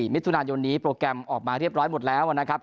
มิถุนายนนี้โปรแกรมออกมาเรียบร้อยหมดแล้วนะครับ